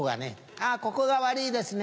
「あぁここが悪いですね」